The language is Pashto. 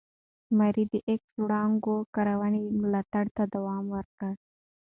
ماري د ایکس وړانګو کارونې ملاتړ ته دوام ورکړ.